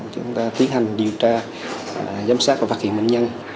chúng ta tiến hành điều tra giám sát và phát hiện bệnh nhân